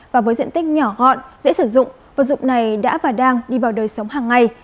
và với diện tích nhỏ gọn dễ sử dụng vật dụng này đã và đang đi vào đời sống hàng ngày